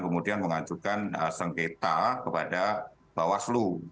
kemudian mengajukan sengketa kepada bawaslu